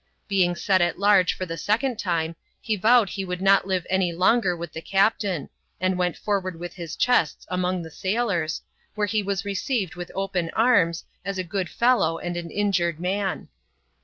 Being set at large for the second time, he vowed he would not live any longer with the captain, and went forward with his chests among the sailors, where he was received with open arms, as a good fellow and an injured man.